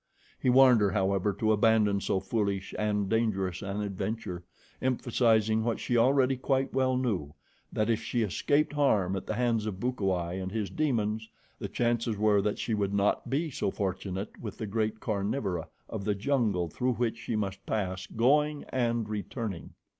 He warned her, however, to abandon so foolish and dangerous an adventure, emphasizing what she already quite well knew, that if she escaped harm at the hands of Bukawai and his demons, the chances were that she would not be so fortunate with the great carnivora of the jungle through which she must pass going and returning.